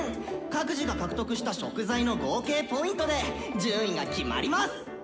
各自が獲得した食材の合計Ｐで順位が決まります！」。